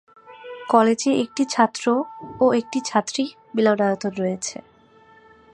কলেজে একটি ছাত্র ও একটি ছাত্রী মিলনায়তন রয়েছে।